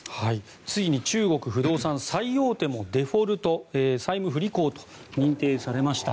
ついに中国不動産最大手もデフォルト、債務不履行と認定されました。